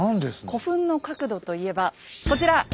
古墳の角度と言えばこちら。